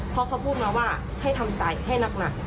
เพราะเขาพูดมาว่าให้ทำใจให้หนัก